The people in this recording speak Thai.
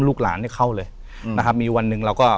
ลูกหลานเนี่ยเข้าเลยนะครับมีวันหนึ่งเราก็